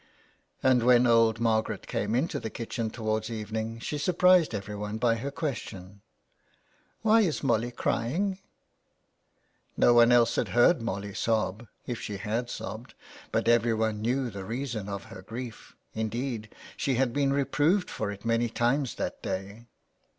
And when old Margaret came into the kitchen towards evening she surprised everyone by her ques tion :—" Why is Molly crying ?" No one else had heard Molly sob, if she had sobbed, but everyone knew the reason of her grief ; indeed, she had been reproved for it many times that day.